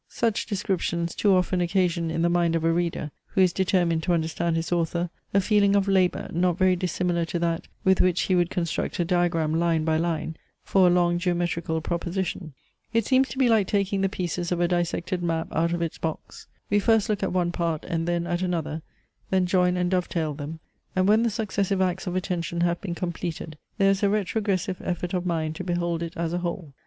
Such descriptions too often occasion in the mind of a reader, who is determined to understand his author, a feeling of labour, not very dissimilar to that, with which he would construct a diagram, line by line, for a long geometrical proposition. It seems to be like taking the pieces of a dissected map out of its box. We first look at one part, and then at another, then join and dove tail them; and when the successive acts of attention have been completed, there is a retrogressive effort of mind to behold it as a whole.